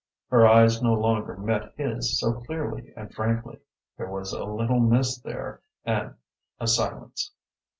Her eyes no longer met his so clearly and frankly. There was a little mist there and a silence.